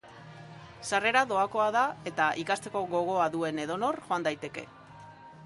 Sarrera doakoa da, eta ikasteko gogoa duen edonor joan daiteke.